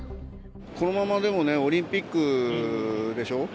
このまま、でもね、オリンピックでしょ？